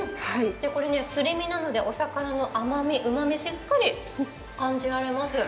これ、すり身なのでお魚の甘み、うまみ、しっかり感じられます。